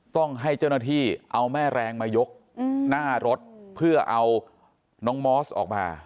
ต้องให้เจ้าหน้าที่เอาแม่แรงมายกหน้ารถเพื่อเอาน้องมอสออกมา